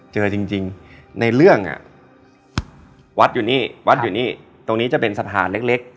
เจอจริงในเรื่องอ่ะวัดอยู่นี่วัดอยู่นี่ตรงนี้จะเป็นสะพานเล็ก